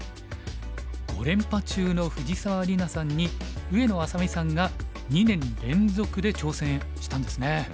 ５連覇中の藤沢里菜さんに上野愛咲美さんが２年連続で挑戦したんですね。